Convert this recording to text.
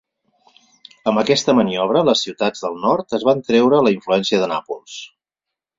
Amb aquesta maniobra, les ciutats del nord es van treure la influència de Nàpols.